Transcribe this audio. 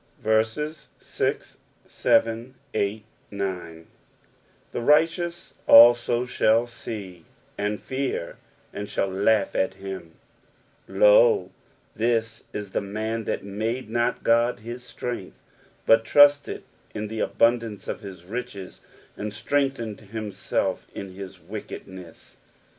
* 6 The righteous also shall see, and fear, and shall laugh at him : 7 Lo, tkis is the man f/iat made not God his strength ; but trusted in the abundance of his riches, and strengthened himself in his wickedness.